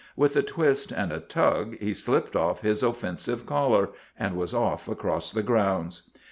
With a twist and a tug he slipped off his offensive collar, and was off across the grounds.